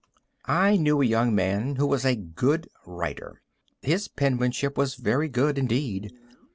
I knew a young man who was a good writer. His penmanship was very good, indeed.